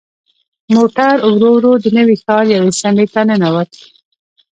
موټر ورو ورو د نوي ښار یوې څنډې ته ننوت.